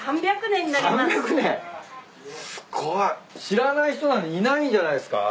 知らない人なんていないんじゃないですか？